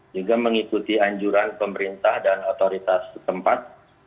juga mengikuti anjuran pemerintah dan otoritas tempat